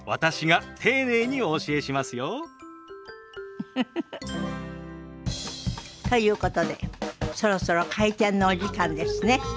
ウフフフ。ということでそろそろ開店のお時間ですね。